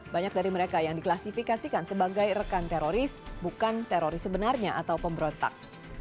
banyak dari mereka yang diklasifikasikan sebagai rekan teroris bukan teroris sebenarnya atau pemberontak